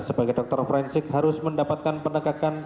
sebagai dokter forensik harus mendapatkan penegakan